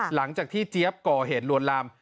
หลังจากที่เจี๊ยบก่อเหตุลวนลาม